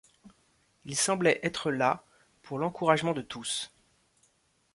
Il semblait être là pour l’encouragement de tous.